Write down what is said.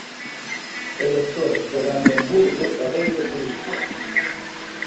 Elector de Brandenburgo e rei de Prusia.